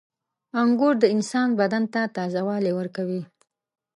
• انګور د انسان بدن ته تازهوالی ورکوي.